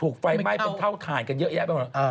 ถูกไฟไหม้เป็นเท่าคาญกันเยอะแ้ะไปมากเอ่อ